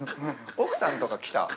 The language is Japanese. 奥さんとか来た？